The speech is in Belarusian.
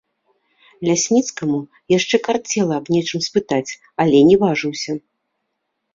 Лясніцкаму яшчэ карцела аб нечым спытаць, але не важыўся.